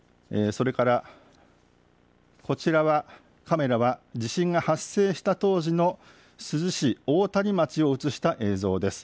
それからこちら、カメラは地震が発生した当時の珠洲市大谷町を映した映像です。